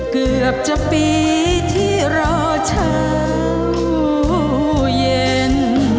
เกือบจะปีที่รอเช้าเย็น